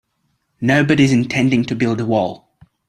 Nobody's intending to build a wall.